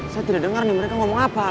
saya tidak dengar nih mereka ngomong apa